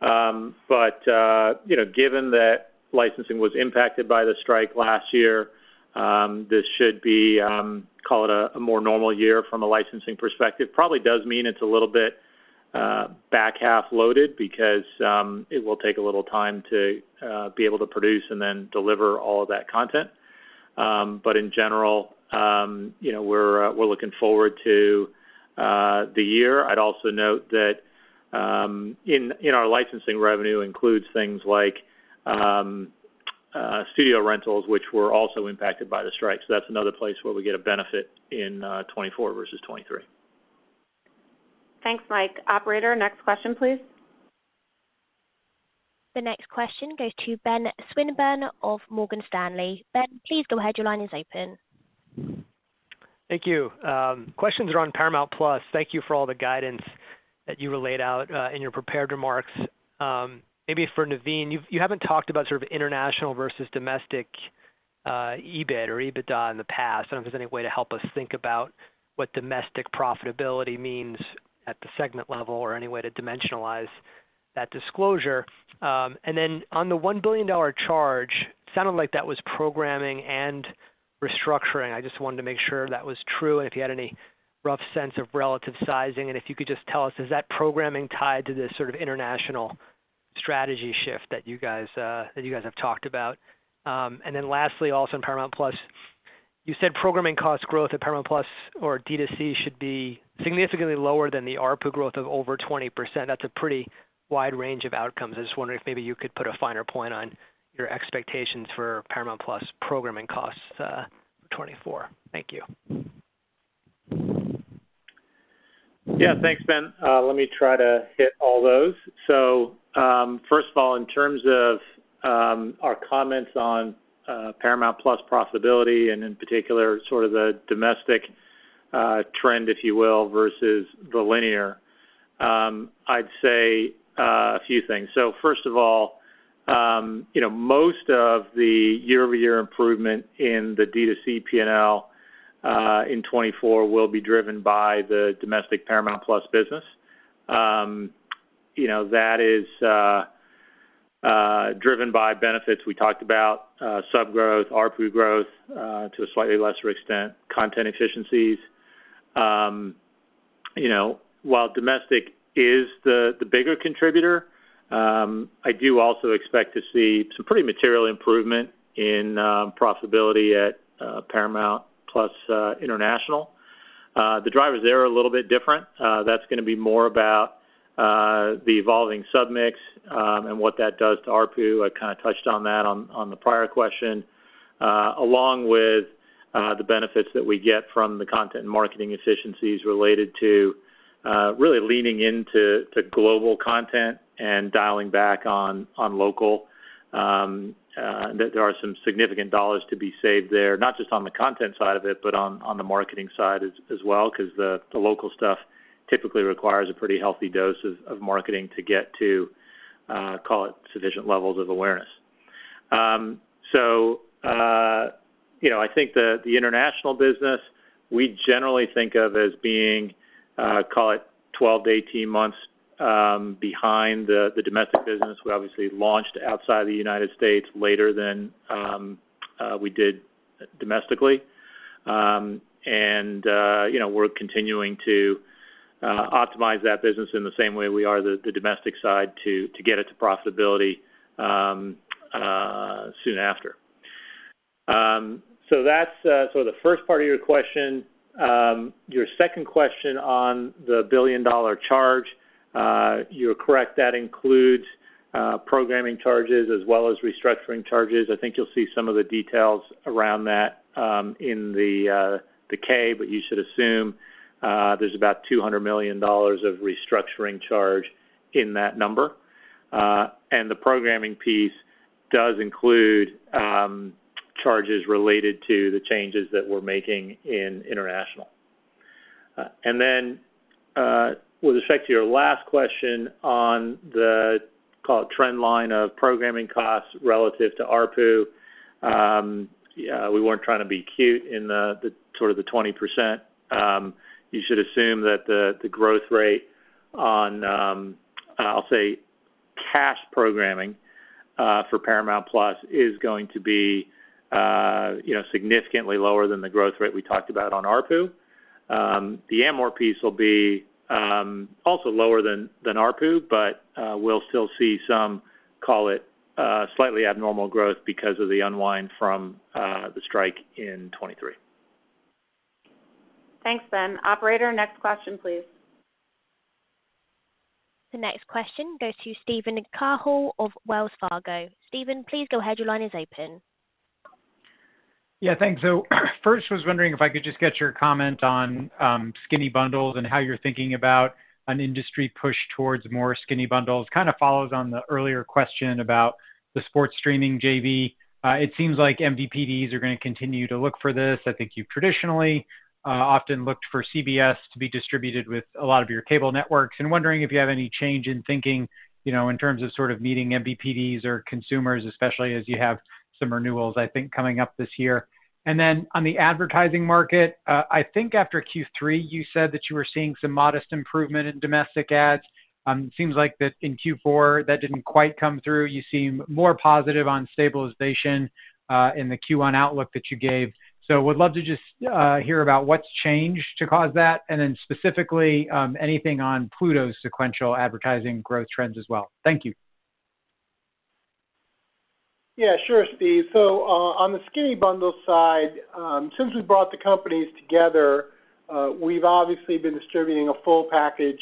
But you know, given that licensing was impacted by the strike last year, this should be call it a more normal year from a licensing perspective. Probably does mean it's a little bit back half-loaded because it will take a little time to be able to produce and then deliver all of that content. But in general, you know, we're looking forward to the year. I'd also note that, in our licensing revenue includes things like, studio rentals, which were also impacted by the strike. So that's another place where we get a benefit in, 2024 versus 2023. Thanks, Mike. Operator, next question, please. The next question goes to Ben Swinburne of Morgan Stanley. Ben, please go ahead. Your line is open. Thank you. Questions are on Paramount+. Thank you for all the guidance that you relayed out in your prepared remarks. Maybe for Naveen, you haven't talked about sort of international versus domestic EBIT or EBITDA in the past. I don't know if there's any way to help us think about what domestic profitability means at the segment level or any way to dimensionalize that disclosure. And then on the $1 billion charge, sounded like that was programming and restructuring. I just wanted to make sure if that was true, and if you had any rough sense of relative sizing, and if you could just tell us, is that programming tied to this sort of international strategy shift that you guys have talked about? And then lastly, also on Paramount Plus, you said programming costs growth at Paramount Plus or D2C should be significantly lower than the ARPU growth of over 20%. That's a pretty wide range of outcomes. I was just wondering if maybe you could put a finer point on your expectations for Paramount Plus programming costs, 2024. Thank you. Yeah. Thanks, Ben. Let me try to hit all those. So, first of all, in terms of, our comments on, Paramount+ profitability, and in particular, sort of the domestic, trend, if you will, versus the linear, I'd say, a few things. So first of all, you know, most of the year-over-year improvement in the D2C P&L, in 2024 will be driven by the domestic Paramount+ business. You know, that is, driven by benefits. We talked about, sub growth, ARPU growth, to a slightly lesser extent, content efficiencies. You know, while domestic is the bigger contributor, I do also expect to see some pretty material improvement in, profitability at, Paramount+, International. The drivers there are a little bit different. That's gonna be more about the evolving sub mix, and what that does to ARPU. I kind of touched on that on the prior question, along with the benefits that we get from the content and marketing efficiencies related to really leaning into global content and dialing back on local. That there are some significant dollars to be saved there, not just on the content side of it, but on the marketing side as well, because the local stuff typically requires a pretty healthy dose of marketing to get to call it sufficient levels of awareness. So, you know, I think the international business, we generally think of as being call it 12-18 months behind the domestic business. We obviously launched outside of the United States later than we did domestically. And you know, we're continuing to optimize that business in the same way we are the domestic side to get it to profitability soon after. So that's sort of the first part of your question. Your second question on the billion-dollar charge, you're correct. That includes programming charges as well as restructuring charges. I think you'll see some of the details around that in the K, but you should assume there's about $200 million of restructuring charge in that number. And the programming piece does include charges related to the changes that we're making in international. And then, with respect to your last question on the, call it trend line of programming costs relative to ARPU, yeah, we weren't trying to be cute in the 20%. You should assume that the growth rate on, I'll say, cash programming, for Paramount Plus is going to be, you know, significantly lower than the growth rate we talked about on ARPU.The AMOR piece will be also lower than ARPU, but we'll still see some, call it, slightly abnormal growth because of the unwind from the strike in 2023. Thanks, Ben. Operator, next question, please. The next question goes to Steven Cahall of Wells Fargo. Steven, please go ahead. Your line is open. Yeah, thanks. So first, was wondering if I could just get your comment on, skinny bundles and how you're thinking about an industry push towards more skinny bundles. Kind of follows on the earlier question about the sports streaming JV. It seems like MVPDs are going to continue to look for this. I think you've traditionally, often looked for CBS to be distributed with a lot of your cable networks. And wondering if you have any change in thinking, you know, in terms of sort of meeting MVPDs or consumers, especially as you have some renewals, I think, coming up this year. And then on the advertising market, I think after Q3, you said that you were seeing some modest improvement in domestic ads. It seems like that in Q4, that didn't quite come through. You seem more positive on stabilization in the Q1 outlook that you gave. So would love to just hear about what's changed to cause that, and then specifically anything on Pluto's sequential advertising growth trends as well. Thank you. Yeah, sure, Steve. So, on the skinny bundle side, since we brought the companies together, we've obviously been distributing a full package,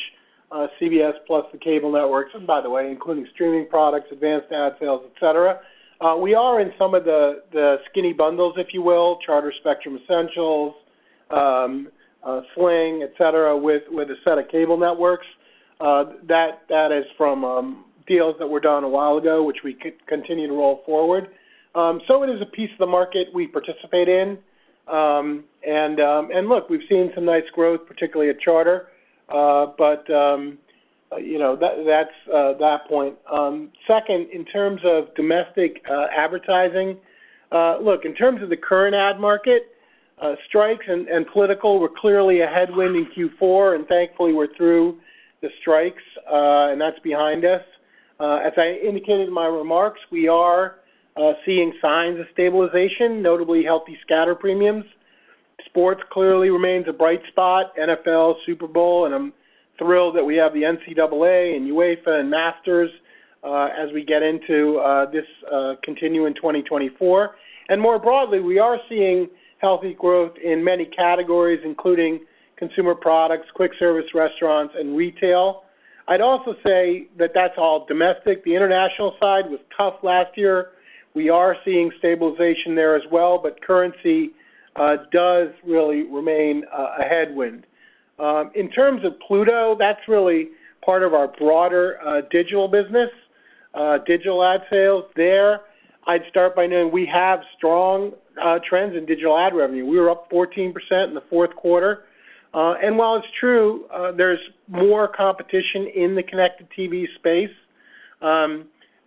CBS plus the cable networks, and by the way, including streaming products, advanced ad sales, et cetera. We are in some of the skinny bundles, if you will, Charter Spectrum Essentials, Sling, et cetera, with a set of cable networks. That is from deals that were done a while ago, which we continue to roll forward. So it is a piece of the market we participate in. And look, we've seen some nice growth, particularly at Charter, but, you know, that's that point. Second, in terms of domestic advertising, look, in terms of the current ad market, strikes and political were clearly a headwind in Q4, and thankfully, we're through the strikes and that's behind us. As I indicated in my remarks, we are seeing signs of stabilization, notably healthy scatter premiums. Sports clearly remains a bright spot, NFL, Super Bowl, and I'm thrilled that we have the NCAA and UEFA and Masters as we get into this continue in 2024. More broadly, we are seeing healthy growth in many categories, including consumer products, quick service restaurants, and retail. I'd also say that that's all domestic. The international side was tough last year. We are seeing stabilization there as well, but currency does really remain a headwind. In terms of Pluto, that's really part of our broader, digital business, digital ad sales there. I'd start by knowing we have strong, trends in digital ad revenue. We were up 14% in the fourth quarter. While it's true, there's more competition in the connected TV space,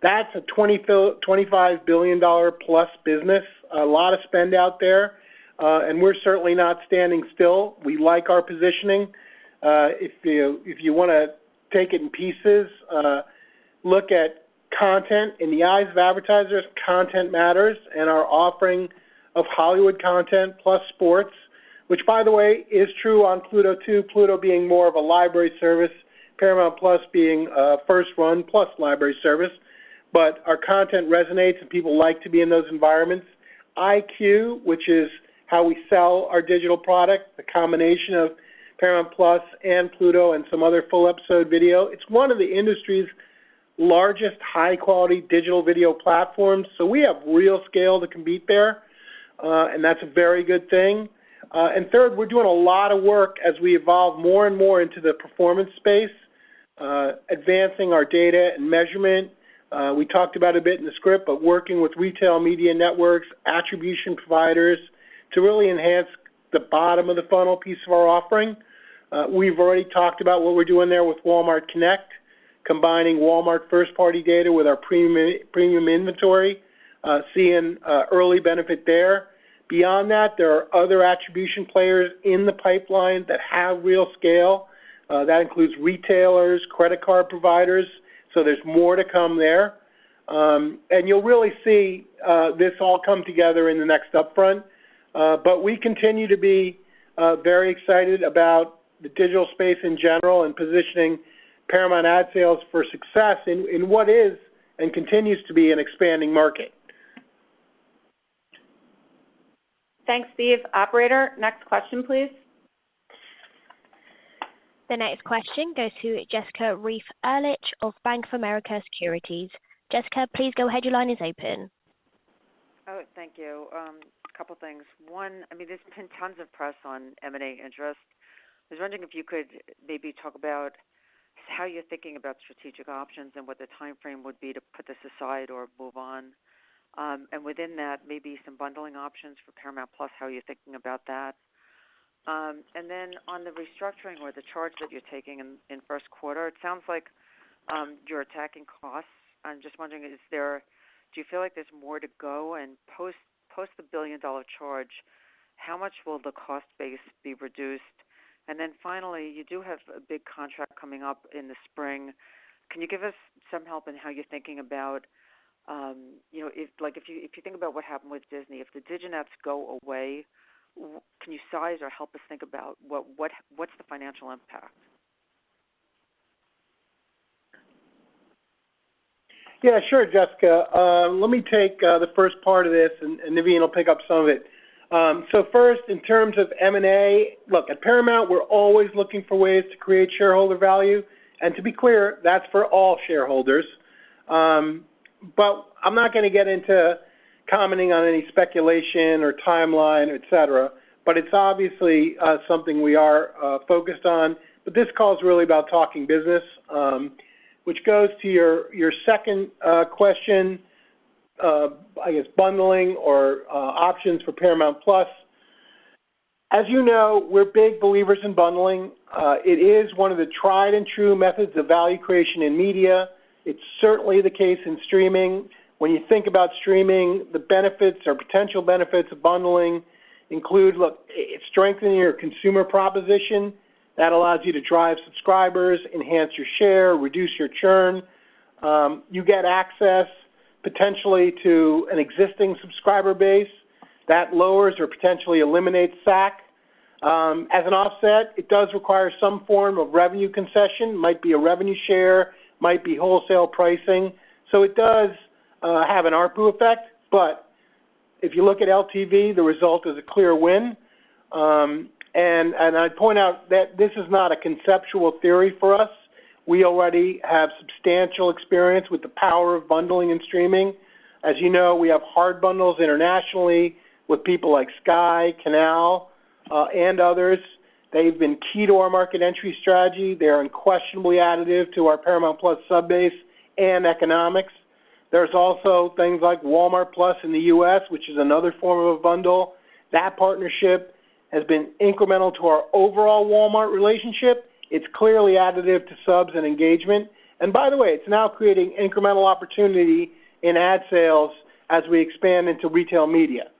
that's a $20 billion-$25 billion plus business, a lot of spend out there, and we're certainly not standing still. We like our positioning. If you, if you want to take it in pieces, look at content. In the eyes of advertisers, content matters and our offering of Hollywood content plus sports, which, by the way, is true on Pluto, too. Pluto being more of a library service, Paramount+ being a first run plus library service. But our content resonates, and people like to be in those environments. IQ, which is how we sell our digital product, a combination of Paramount Plus and Pluto and some other full episode video, it's one of the industry's largest high-quality digital video platforms. So we have real scale that can be there, and that's a very good thing. And third, we're doing a lot of work as we evolve more and more into the performance space, advancing our data and measurement. We talked about a bit in the script, but working with retail media networks, attribution providers to really enhance the bottom of the funnel piece of our offering. We've already talked about what we're doing there with Walmart Connect, combining Walmart first-party data with our premium inventory, seeing early benefit there. Beyond that, there are other attribution players in the pipeline that have real scale. That includes retailers, credit card providers, so there's more to come there. You'll really see this all come together in the next upfront. We continue to be very excited about the digital space in general and positioning Paramount Ad Sales for success in what is and continues to be an expanding market. Thanks, Steve. Operator, next question, please. The next question goes to Jessica Reif Ehrlich of Bank of America Securities. Jessica, please go ahead. Your line is open. Oh, thank you. A couple things. One, I mean, there's been tons of press on M&A interest. I was wondering if you could maybe talk about how you're thinking about strategic options and what the timeframe would be to put this aside or move on. And within that, maybe some bundling options for Paramount+, how you're thinking about that. And then on the restructuring or the charge that you're taking in first quarter, it sounds like you're attacking costs. I'm just wondering, is there do you feel like there's more to go? And post the $1 billion charge, how much will the cost base be reduced? And then finally, you do have a big contract coming up in the spring. Can you give us some help in how you're thinking about... You know, if, like, if you, if you think about what happened with Disney, if the diginets go away, can you size or help us think about what, what, what's the financial impact? Yeah, sure, Jessica. Let me take the first part of this, and Naveen will pick up some of it. So first, in terms of M&A, look, at Paramount, we're always looking for ways to create shareholder value, and to be clear, that's for all shareholders. But I'm not gonna get into commenting on any speculation or timeline, et cetera, but it's obviously something we are focused on. But this call is really about talking business, which goes to your second question, I guess, bundling or options for Paramount Plus. As you know, we're big believers in bundling. It is one of the tried-and-true methods of value creation in media. It's certainly the case in streaming. When you think about streaming, the benefits or potential benefits of bundling include, look, it's strengthening your consumer proposition that allows you to drive subscribers, enhance your share, reduce your churn. You get access potentially to an existing subscriber base that lowers or potentially eliminates SAC. As an offset, it does require some form of revenue concession, might be a revenue share, might be wholesale pricing. So it does have an ARPU effect, but if you look at LTV, the result is a clear win. And I'd point out that this is not a conceptual theory for us. We already have substantial experience with the power of bundling and streaming. As you know, we have hard bundles internationally with people like Sky, Canal, and others. They've been key to our market entry strategy. They're unquestionably additive to our Paramount+ subbase and economics. There's also things like Walmart+ in the US, which is another form of a bundle. That partnership has been incremental to our overall Walmart relationship. It's clearly additive to subs and engagement. And by the way, it's now creating incremental opportunity in ad sales as we expand into retail media.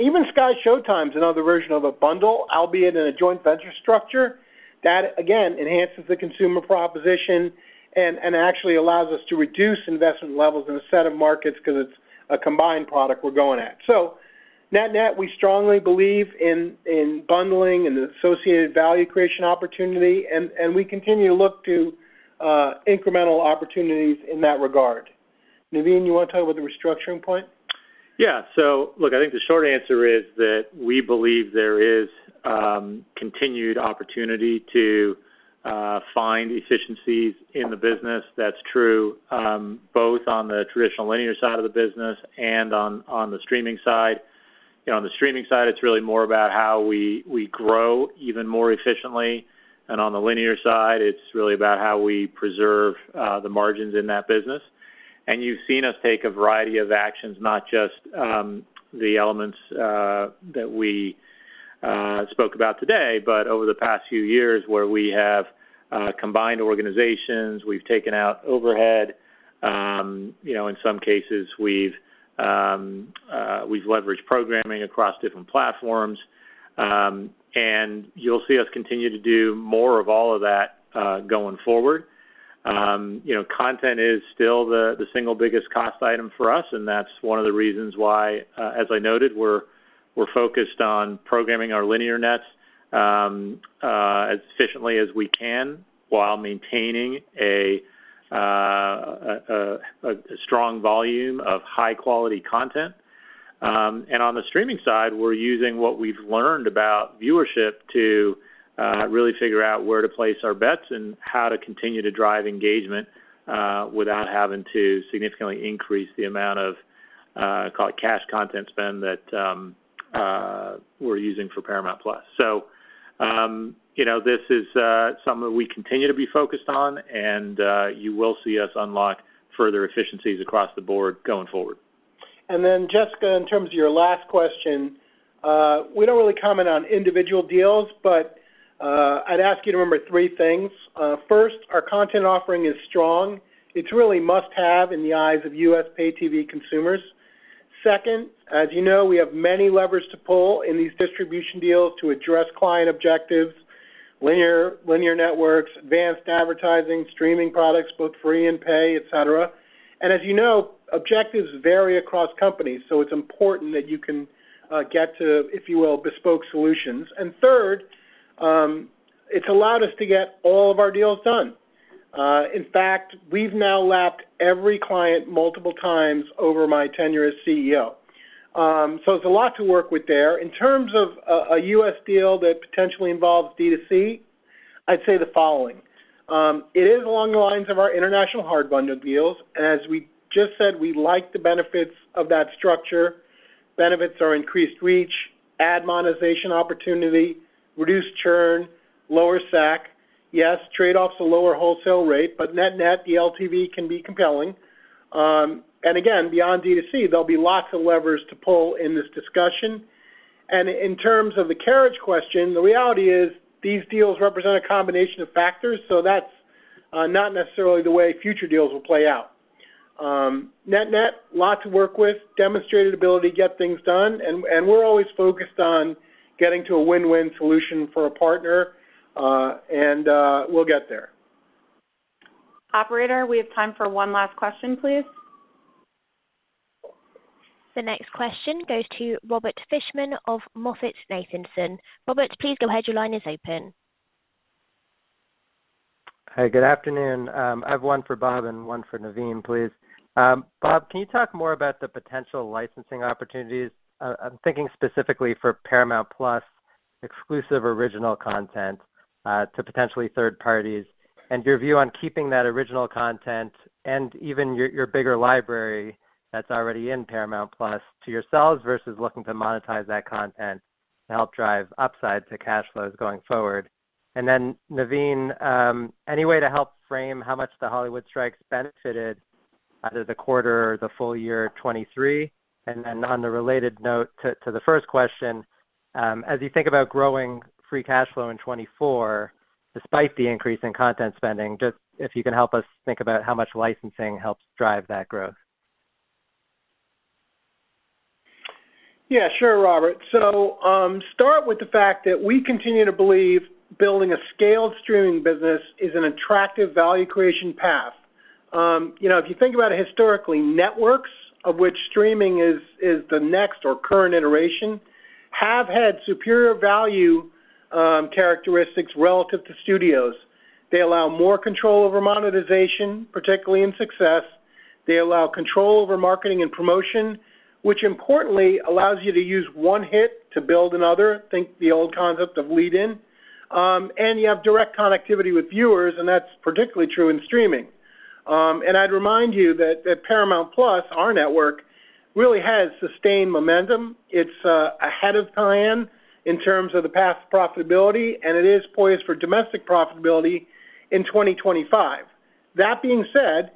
Even SkyShowtime is another version of a bundle, albeit in a joint venture structure. That, again, enhances the consumer proposition and, and actually allows us to reduce investment levels in a set of markets 'cause it's a combined product we're going at. So net-net, we strongly believe in, in bundling and the associated value creation opportunity, and, and we continue to look to, incremental opportunities in that regard. Naveen, you wanna talk about the restructuring point? Yeah. So look, I think the short answer is that we believe there is continued opportunity to find efficiencies in the business. That's true both on the traditional linear side of the business and on the streaming side. You know, on the streaming side, it's really more about how we grow even more efficiently, and on the linear side, it's really about how we preserve the margins in that business. And you've seen us take a variety of actions, not just the elements that we spoke about today, but over the past few years, where we have combined organizations, we've taken out overhead, you know, in some cases, we've leveraged programming across different platforms. And you'll see us continue to do more of all of that going forward. You know, content is still the single biggest cost item for us, and that's one of the reasons why, as I noted, we're focused on programming our linear nets as efficiently as we can while maintaining a strong volume of high-quality content. And on the streaming side, we're using what we've learned about viewership to really figure out where to place our bets and how to continue to drive engagement without having to significantly increase the amount of call it cash content spend that we're using for Paramount+. So, you know, this is something we continue to be focused on, and you will see us unlock further efficiencies across the board going forward. And then, Jessica, in terms of your last question, we don't really comment on individual deals, but, I'd ask you to remember three things. First, our content offering is strong. It's really must-have in the eyes of U.S. pay TV consumers. Second, as you know, we have many levers to pull in these distribution deals to address client objectives, linear, linear networks, advanced advertising, streaming products, both free and pay, et cetera. And as you know, objectives vary across companies, so it's important that you can, get to, if you will, bespoke solutions. And third, it's allowed us to get all of our deals done. In fact, we've now lapped every client multiple times over my tenure as CEO. So it's a lot to work with there. In terms of a US deal that potentially involves D2C, I'd say the following: It is along the lines of our international hard bundled deals, and as we just said, we like the benefits of that structure. Benefits are increased reach, ad monetization opportunity, reduced churn, lower SAC. Yes, trade-offs, a lower wholesale rate, but net-net, the LTV can be compelling. And again, beyond D2C, there'll be lots of levers to pull in this discussion. And in terms of the carriage question, the reality is these deals represent a combination of factors, so that's not necessarily the way future deals will play out. Net-net, lot to work with, demonstrated ability to get things done, and we're always focused on getting to a win-win solution for a partner. And we'll get there. Operator, we have time for one last question, please. The next question goes to Robert Fishman of MoffettNathanson. Robert, please go ahead. Your line is open. Hi, good afternoon. I have one for Bob and one for Naveen, please. Bob, can you talk more about the potential licensing opportunities? I'm thinking specifically for Paramount+ exclusive original content, to potentially third parties, and your view on keeping that original content and even your bigger library that's already in Paramount+ to yourselves, versus looking to monetize that content to help drive upside to cash flows going forward. And then, Naveen, any way to help frame how much the Hollywood strikes benefited, either the quarter or the full year of 2023? And then on the related note to the first question, as you think about growing free cash flow in 2024, despite the increase in content spending, just if you can help us think about how much licensing helps drive that growth. Yeah, sure, Robert. So, start with the fact that we continue to believe building a scaled streaming business is an attractive value creation path. You know, if you think about it historically, networks, of which streaming is, is the next or current iteration, have had superior value characteristics relative to studios. They allow more control over monetization, particularly in success. They allow control over marketing and promotion, which importantly allows you to use one hit to build another. Think the old concept of lead in. And you have direct connectivity with viewers, and that's particularly true in streaming. And I'd remind you that, that Paramount+, our network, really has sustained momentum. It's ahead of plan in terms of the path to profitability, and it is poised for domestic profitability in 2025. That being said,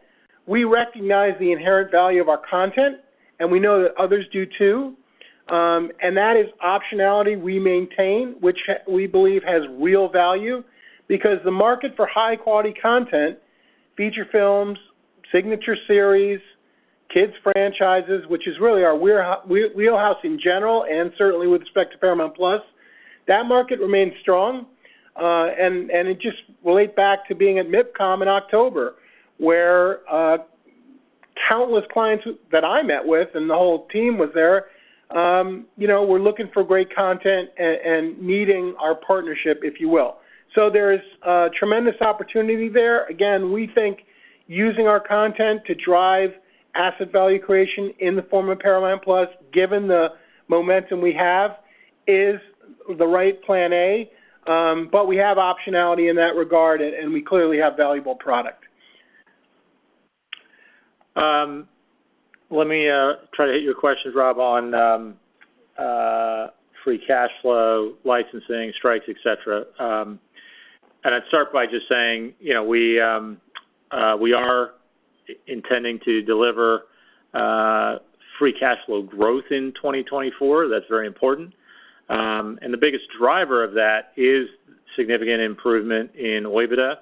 we recognize the inherent value of our content, and we know that others do, too. And that is optionality we maintain, which we believe has real value because the market for high-quality content, feature films, signature series, kids franchises, which is really our wheelhouse in general, and certainly with respect to Paramount+, that market remains strong. And it just relate back to being at MIPCOM in October, where countless clients that I met with, and the whole team was there, you know, were looking for great content and needing our partnership, if you will. So there's tremendous opportunity there. Again, we think using our content to drive asset value creation in the form of Paramount+, given the momentum we have, is the right Plan A, but we have optionality in that regard, and, and we clearly have valuable product. Let me try to hit your questions, Rob, on free cash flow, licensing, strikes, et cetera. And I'd start by just saying, you know, we are intending to deliver free cash flow growth in 2024. That's very important. And the biggest driver of that is significant improvement in OIBDA,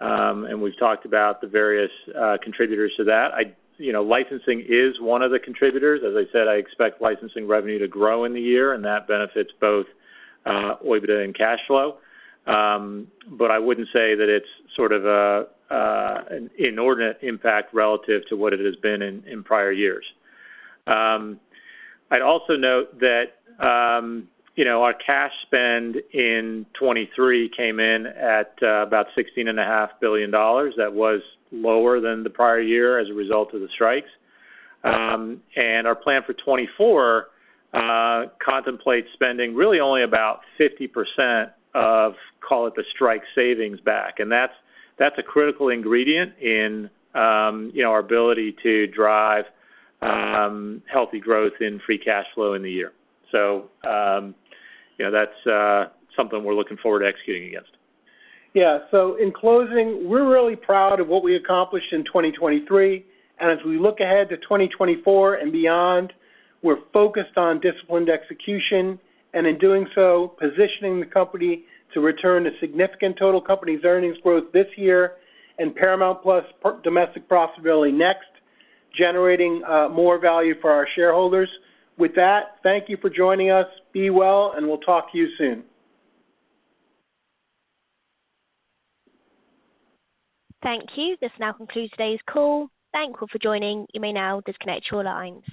and we've talked about the various contributors to that. You know, licensing is one of the contributors. As I said, I expect licensing revenue to grow in the year, and that benefits both OIBDA and cash flow. But I wouldn't say that it's sort of an inordinate impact relative to what it has been in prior years. I'd also note that, you know, our cash spend in 2023 came in at about $16.5 billion. That was lower than the prior year as a result of the strikes. And our plan for 2024 contemplates spending really only about 50% of, call it, the strike savings back, and that's, that's a critical ingredient in, you know, our ability to drive healthy growth in free cash flow in the year. So, you know, that's something we're looking forward to executing against. Yeah. So in closing, we're really proud of what we accomplished in 2023, and as we look ahead to 2024 and beyond, we're focused on disciplined execution, and in doing so, positioning the company to return to significant total company earnings growth this year and Paramount+ pure domestic profitability next, generating more value for our shareholders. With that, thank you for joining us. Be well, and we'll talk to you soon. Thank you. This now concludes today's call. Thank you for joining. You may now disconnect your lines.